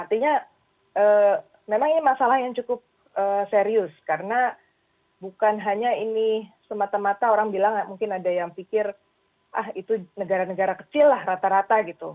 artinya memang ini masalah yang cukup serius karena bukan hanya ini semata mata orang bilang mungkin ada yang pikir ah itu negara negara kecil lah rata rata gitu